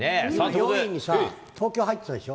４位にさ、東京入ってたでしょ。